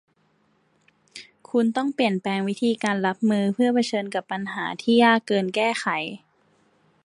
คุณต้องเปลี่ยนแปลงวิธีการรับมือเมื่อเผชิญกับปัญหาที่ยากเกินแก้ไข